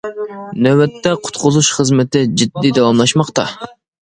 نۆۋەتتە قۇتقۇزۇش خىزمىتى جىددىي داۋاملاشماقتا.